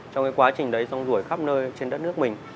trong cái quá trình đấy rong rủi khắp nơi trên đất nước mình